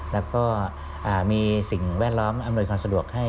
แล้วก็มีสิ่งแวดล้อมอำนวยความสะดวกให้